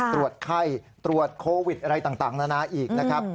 ตรวจไข้ตรวจโควิดอะไรต่างนานาอีกนะครับ